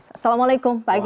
assalamualaikum pak kiai